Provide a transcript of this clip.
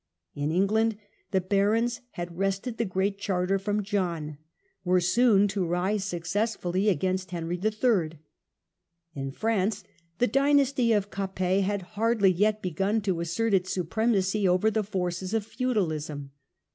In England the barons had wrested the Great Charter from John, were soon to rise successfully against Henry III. In France the dynasty of Capet had hardly yet begun to assert its supremacy over the forces of feudalism.